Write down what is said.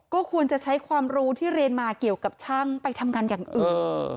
ก็ควรจะใช้ความรู้ที่เรียนมาเกี่ยวกับช่างไปทำงานอย่างอื่น